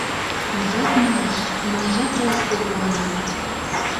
Ужат, манеш, имньыжат райисполкомынак.